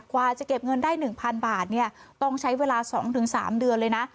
กว่าจะเก็บเงินได้๑๐๐๐บาทต้องใช้เวลา๒๓เดือนเลยนะ